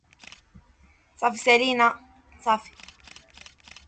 It may also refer to a political or political science theory.